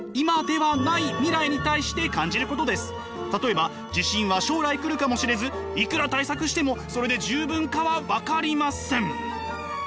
たとえば地震は将来来るかもしれずいくら対策してもそれで十分かは分かりません。